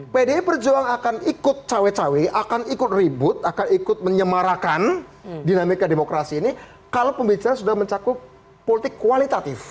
pdi perjuangan akan ikut cawe cawe akan ikut ribut akan ikut menyemarakan dinamika demokrasi ini kalau pembicaraan sudah mencakup politik kualitatif